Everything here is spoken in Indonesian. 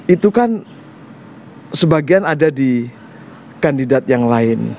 itu kan sebagian ada di kandidat yang lain